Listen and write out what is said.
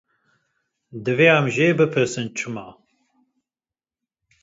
Divê em jî bipirsin, çima?